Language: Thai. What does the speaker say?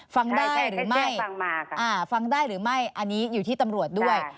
ฟังได้หรือไม่ฟังได้หรือไม่อันนี้อยู่ที่ตำรวจด้วย